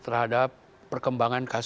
terhadap perkembangan kesehatan